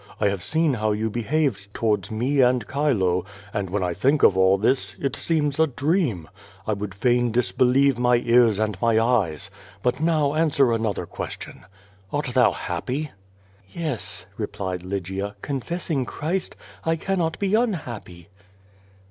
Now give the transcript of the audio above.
I have seen how you be haved towards mo and Chilo. and when I think of all this, it seems a dream. I would fain dislielievc my ears and my eyes. But now answer another question: "Art thou hanpy?" "Yes," replied Lygia, "confessing Christ, I cannot be un happy."